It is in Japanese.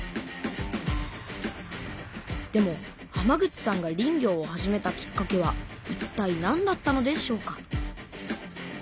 でも浜口さんが林業を始めたきっかけはいったいなんだったのでしょうか？